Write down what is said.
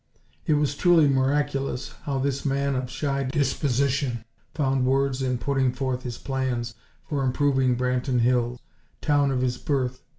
It was truly miraculous how this man of shy disposition, found words in putting forth his plans for improving Branton Hills, town of his birth.